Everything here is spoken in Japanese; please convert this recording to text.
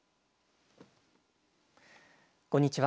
こんにちは。